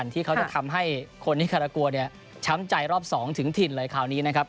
ที่เขาจะทำให้คนที่คารากัวเนี่ยช้ำใจรอบ๒ถึงถิ่นเลยคราวนี้นะครับ